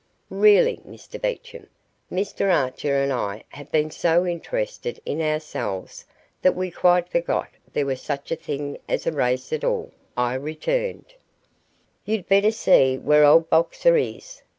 "Really, Mr Beecham, Mr Archer and I have been so interested in ourselves that we quite forgot there was such a thing as a race at all," I returned. "You'd better see where old Boxer is.